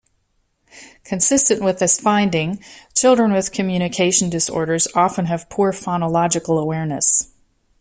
Consistent with this finding, children with communication disorders often have poor phonological awareness.